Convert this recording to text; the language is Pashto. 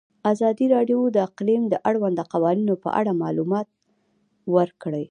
ازادي راډیو د اقلیم د اړونده قوانینو په اړه معلومات ورکړي.